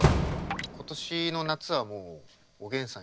今年の夏はもうおげんさん